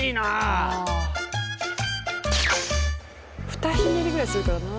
ふたひねりぐらいするからなあ。